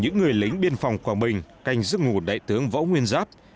những người lính biên phòng quảng bình canh giấc ngủ đại tướng võ nguyên giáp